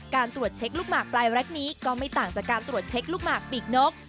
ตรวจเช็คลูกหมากปลายแร็กนี้ก็ไม่ต่างจากการตรวจเช็คลูกหมากปีกนก